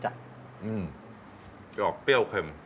เจาะเปรี้ยวเค็ม